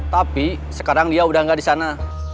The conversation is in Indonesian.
tapi sekarang dia udah gak disana